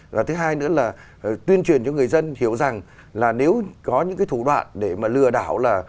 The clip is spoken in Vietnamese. và thứ hai nữa là tuyên truyền cho người dân hiểu rằng là nếu có những cái thủ đoạn để mà lừa đảo là